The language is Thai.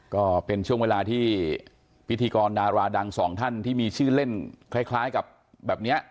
ก็เป็นช่วงเวลาที่พิธีกรดาราดังสองท่านที่มีชื่อเล่นคล้ายกับแบบนี้